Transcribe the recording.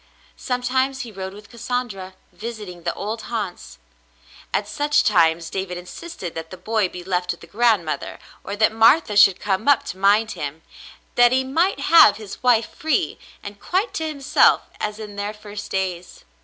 Sometimes he rode with Cassandra, visiting the old haunts ; at such times David insisted that the boy be left with the grandmother or that Martha should come up to mind him, that he might have his wife free and quite to himself as in their first days.